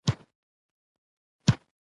یونیسف د خطرناکو ناروغیو په وړاندې مرسته کوي.